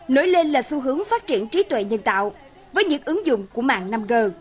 nổi lên là xu hướng phát triển trí tuệ nhân tạo với những ứng dụng của mạng năm g